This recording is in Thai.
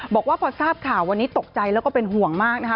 บอกว่าพอทราบข่าววันนี้ตกใจแล้วก็เป็นห่วงมากนะคะ